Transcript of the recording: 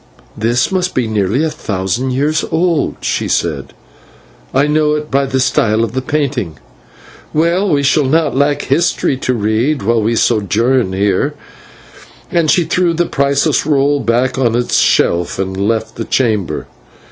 "This must be nearly a thousand years old," she said; "I know it by the style of the painting. Well, we shall not lack history to read while we sojourn here," and she threw the priceless roll back on to its shelf and left the chamber.